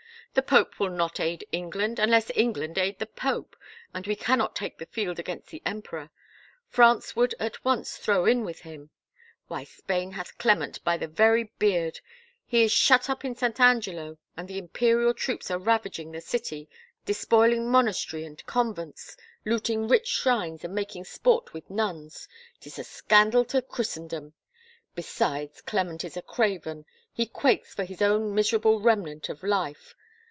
The pope will not aid Eng land unless England aid the pope, and we cannot take the field against the emperor. France would at once throw in with him. Why Spain hath Clement by the very beard: he is shut up in Saint Angelo and the Imperial troops are ravaging the city, despoiling monastery and convents, looting rich shrines and making sport with nuns. ... 'Tis a scandal to Christendom. ... Besides Clement is a craven. He quakes for his own miserable remnant of life.